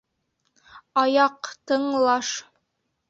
Аяҡ тың-лаш...